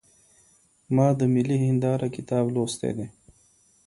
ما د ملي هنداره کتاب لوستی دی.